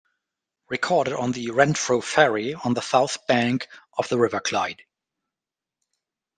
Recorded on the Renfrew Ferry on the south bank of the River Clyde.